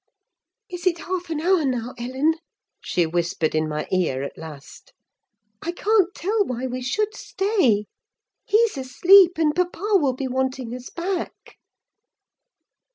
"Is it half an hour now, Ellen?" she whispered in my ear, at last. "I can't tell why we should stay. He's asleep, and papa will be wanting us back."